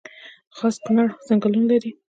خاص کونړ ځنګلونه لري؟